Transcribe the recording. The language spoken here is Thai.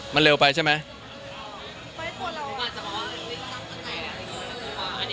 มันเร็วไปใช่ไหม